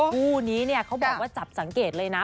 กูเนี้ยเค้าบอกว่าจับสังเกตเลยนะ